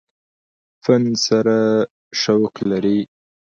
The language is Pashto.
فن سره شوق لري ۔